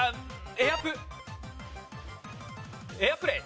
エアプレイ。